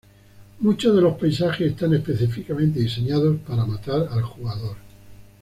Muchos de los paisajes están específicamente diseñados para matar al jugador.